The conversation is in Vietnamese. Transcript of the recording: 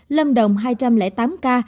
lâm động hai trăm linh tám ca